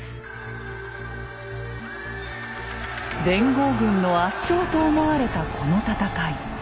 連合軍の圧勝と思われたこの戦い。